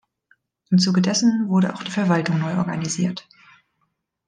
Im Zuge dessen wurde auch die Verwaltung neu organisiert.